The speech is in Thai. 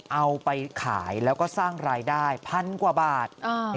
เอาไปขายแล้วก็สร้างรายได้พันกว่าบาท